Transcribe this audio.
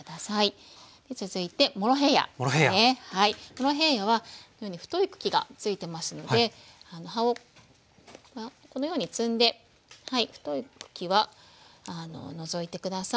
モロヘイヤはこのように太い茎がついてますので葉をこのように摘んで太い茎は除いて下さい。